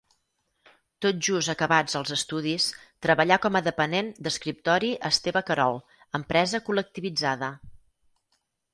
Tot just acabats els estudis treballà com a depenent d'escriptori a Esteve Querol, Empresa Col·lectivitzada.